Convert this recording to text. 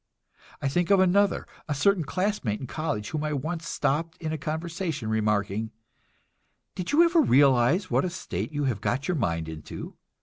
I think of another, a certain classmate in college whom I once stopped in a conversation, remarking: "Did you ever realize what a state you have got your mind into?